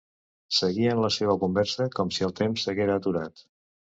Seguien la seua conversa com si el temps s’haguera aturat.